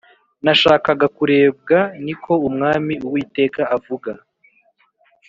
Nashakaga kurebwa Ni ko Umwami Uwiteka avuga